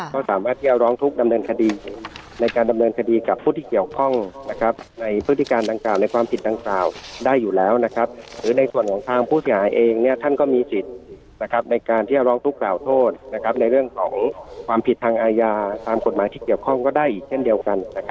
ก็สามารถที่จะร้องทุกข์ดำเนินคดีในการดำเนินคดีกับผู้ที่เกี่ยวข้องในพฤติการดังกล่าวในความผิดดังกล่าวได้อยู่แล้วหรือในส่วนของทางผู้เสียหายเองท่านก็มีสิทธิ์ในการที่จะร้องทุกขล่าโทษในเรื่องของความผิดทางอาญาตามกฎหมายที่เกี่ยวข้องก็ได้อีกเช่นเดียวกัน